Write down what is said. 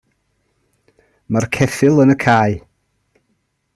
Mae'r ceffyl yn y cae.